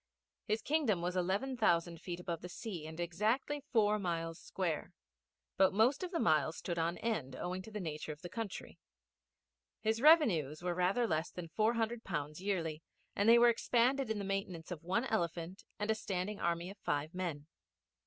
His Kingdom was eleven thousand feet above the sea and exactly four miles square; but most of the miles stood on end owing to the nature of the country. His revenues were rather less than four hundred pounds yearly, and they were expended in the maintenance of one elephant and a standing army of five men.